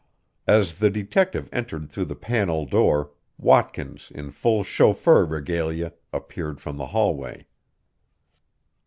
As the detective entered through the panel door, Watkins in full chauffeur regalia appeared from the hallway.